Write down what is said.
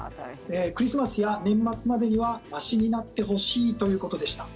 クリスマスや年末までにはましになってほしいということでした。